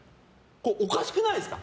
これ、おかしくないですか？